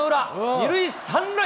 ２塁３塁。